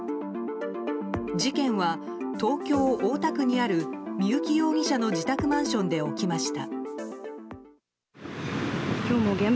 事件は東京・大田区にある三幸容疑者の自宅マンションで起きました。